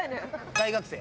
大学生？